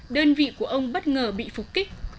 đơn vị của ông bất ngờ bị phục kích